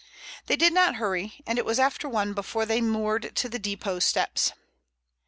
They did not hurry, and it was after one before they moored to the depot steps.